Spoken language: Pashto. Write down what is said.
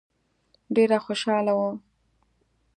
ډېره خوشاله وه.